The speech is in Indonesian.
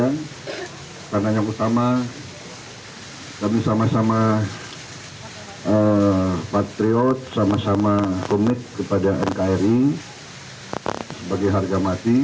dan karena yang utama kami sama sama patriot sama sama komit kepada nkri sebagai harga mati